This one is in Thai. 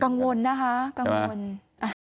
กังวลนะคะกังวล